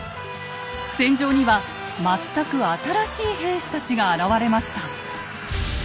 戦場には全く新しい兵士たちが現れました。